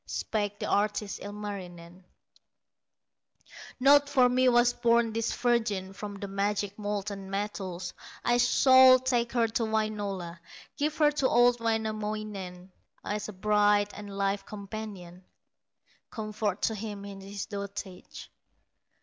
Spake the artist, Ilmarinen: "Not for me was born this virgin From the magic molten metals; I shall take her to Wainola, Give her to old Wainamoinen, As a bride and life companion, Comfort to him in his dotage."